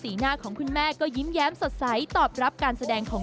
หน้าของคุณแม่ก็ยิ้มแย้มสดใสตอบรับการแสดงของ